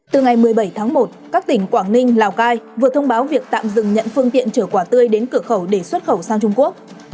từ ngày một mươi bảy tháng một các tỉnh quảng ninh lào cai vừa thông báo việc tạm dừng nhận phương tiện chở quả tươi đến cửa khẩu để xuất khẩu sang trung quốc